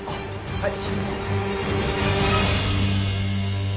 はい。